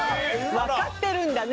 わかってるんだね